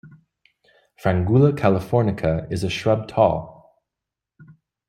"Frangula californica" is a shrub tall.